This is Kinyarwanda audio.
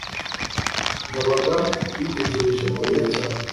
ndabaga yitegereje mariya cyane